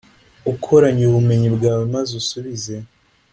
ukoranye ubumenyi bwawe, maze usubize.